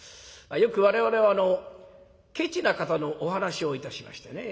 よく我々はケチな方のお噺をいたしましてね。